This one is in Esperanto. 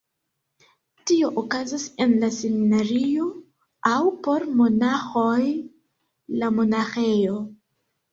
Tio okazas en la seminario aŭ (por monaĥoj) la monaĥejo.